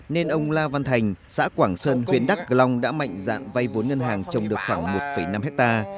nên ông la văn thành xã quảng sơn huyện đắc lòng đã mạnh dạng vay vốn ngân hàng trồng được khoảng một năm hectare